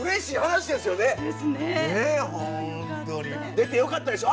出てよかったでしょ？